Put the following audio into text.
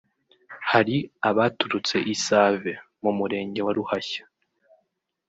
hari abaturutse i Save (mu Murenge wa Ruhashya)